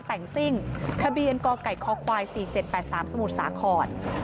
แต่งซิ่งทะเบียนกไก่คควาย๔๗๘๓สมุทรสาคร